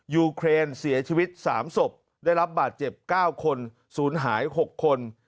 ยูเครนเสียชีวิต๓ศพได้รับบาดเจ็บ๙คนศูนย์หาย๖คน